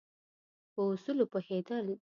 په اصولو پوهېدل.